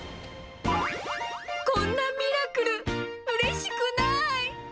こんなミラクル、うれしくない。